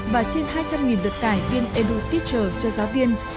và hơn hai trăm linh được tải viên eduteacher cho giáo viên